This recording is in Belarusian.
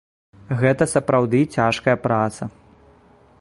Гэта сапраўды цяжкая праца.